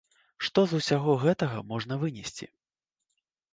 Што з усяго гэтага можна вынесці?